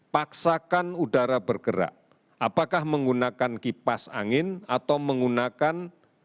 paksakan udara bergerak apakah menggunakan kipas angin atau menggunakan